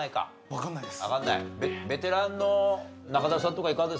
わからないです。